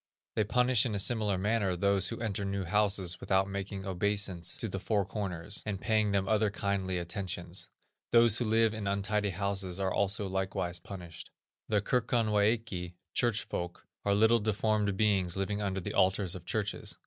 They punish in a similar manner those who enter new houses without making obeisance to the four corners, and paying them other kindly attentions; those who live in untidy houses are also likewise punished. The Kirkonwæki (church folk) are little deformed beings living under the altars of churches.